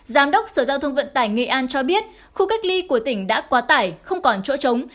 giám đốc sở giao thông vận tải nghệ an cho biết khu cách ly của tỉnh đã quá tải không còn chỗ trống